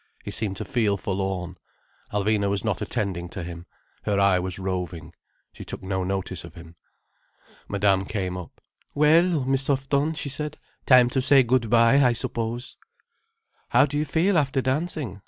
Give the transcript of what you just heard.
He seemed to feel forlorn. Alvina was not attending to him. Her eye was roving. She took no notice of him. Madame came up. "Well, Miss Houghton," she said, "time to say good bye, I suppose." "How do you feel after dancing?"